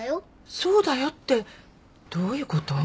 そうだよってどういうこと？